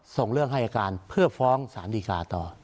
ส่งเรื่องให้อาการเพื่อฟ้องสารดีกาต่อ